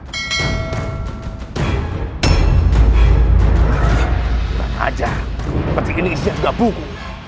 tidak ajaib peti ini isinya juga buku